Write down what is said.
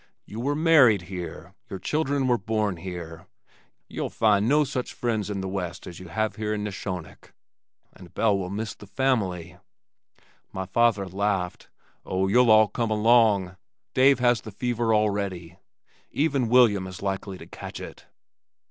"You were married here, your children were born here. Ye'll find no such friends in the west as you have here in Neshonoc. And Belle will miss the family." My father laughed. "Oh, you'll all come along. Dave has the fever already. Even William is likely to catch it."